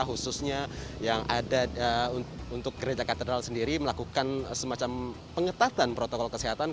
khususnya yang ada untuk gereja katedral sendiri melakukan semacam pengetatan protokol kesehatan